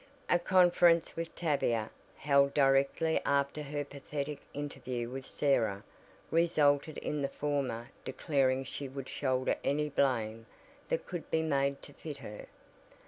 A conference with Tavia, held directly after her pathetic interview with Sarah, resulted in the former declaring she would shoulder any blame that could be made to fit her.